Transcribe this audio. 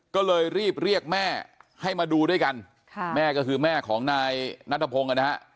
ก็เลยรีบเรียกแม่ให้มาดูด้วยกันค่ะแม่ก็คือแม่ของนายนัทพงศ์นะฮะ